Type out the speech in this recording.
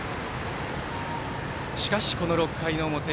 しかし、この６回の表。